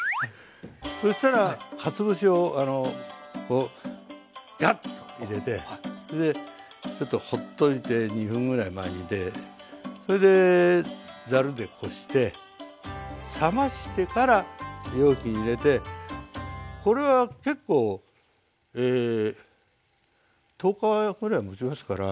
そしたらかつお節をこうヤッと入れてそれでちょっとほっといて２分ぐらいまあ煮てそれでざるでこして冷ましてから容器に入れてこれは結構え１０日ぐらいもちますから。